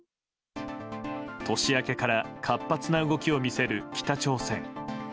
年明けから活発な動きを見せる北朝鮮。